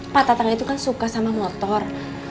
pak tatang itu kan suka sama motor